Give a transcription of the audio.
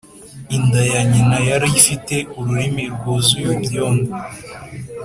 'inda ya nyina yari ifite ururimi rwuzuye ibyondo.'